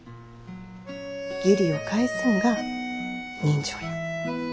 義理を返すんが人情や。